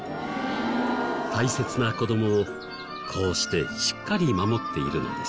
大切な子供をこうしてしっかり守っているのです。